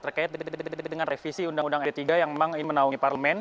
terkait dengan revisi undang undang md tiga yang memang ingin menaungi parlemen